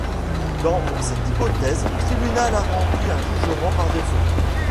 Dans cette hypothèse, le tribunal a rendu un jugement par défaut.